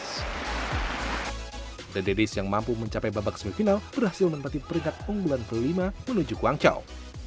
the daddies yang mampu mencapai babak semifinal berhasil menempati peringkat unggulan kelima menuju guangzhou